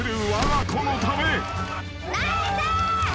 ナイス！